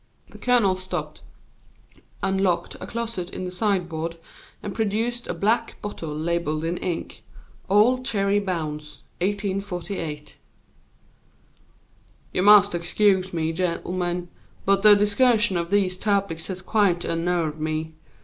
The colonel stopped, unlocked a closet in the sideboard, and produced a black bottle labeled in ink, "Old Cherry Bounce, 1848." "You must excuse me, gentlemen, but the discussion of these topics has quite unnerved me.